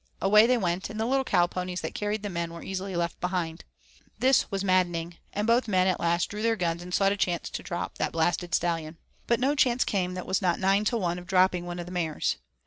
Away they went, and the little cow ponies that carried the men were easily left behind. This was maddening, and both men at last drew their guns and sought a chance to drop that 'blasted stallion.' But no chance came that was not 9 to 1 of dropping one of the mares.